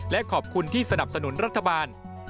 และขอบคุณที่สนับสนุนรัฐบาล